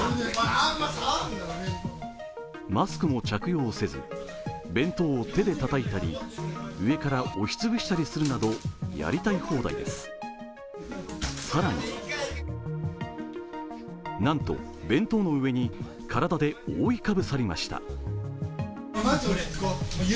マスクも着用せず、弁当を手でたたいたり上から押し潰したりするなどやりたい放題です、さらになんと弁当の上に体で覆いかぶさりました。